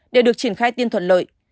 đều được triển khai tiên thuận lợi